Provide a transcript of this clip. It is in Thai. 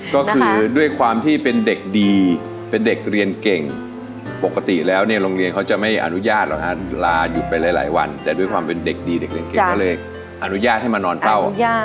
ก็คือด้วยความที่เป็นเด็กดีเป็นเด็กเรียนเก่งปกติแล้วเนี่ยโรงเรียนเขาจะไม่อนุญาตหรอกฮะลาหยุดไปหลายวันแต่ด้วยความเป็นเด็กดีเด็กเรียนเก่งก็เลยอนุญาตให้มานอนเฝ้า